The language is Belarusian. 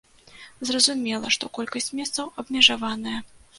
Зразумела, што колькасць месцаў абмежаваная.